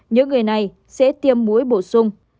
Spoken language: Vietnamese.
những người này sẽ tiêm mũi bổ sung